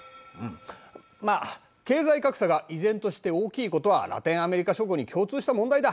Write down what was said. まあ経済格差が依然として大きいことはラテンアメリカ諸国に共通した問題だ。